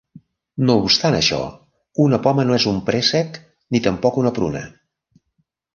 No obstant això, una "poma" no és un "préssec", ni tampoc una "pruna".